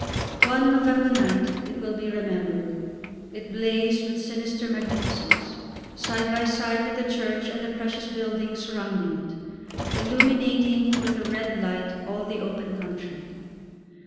One November night, it will be remembered, it blazed with sinister magnificence, side by side with the church and the precious buildings surrounding it, illuminating with a red light all the open country.